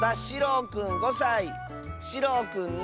しろうくんの。